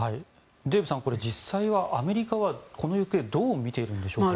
デーブさんこれ、実際はアメリカはこの行方をどう見ているんでしょうか。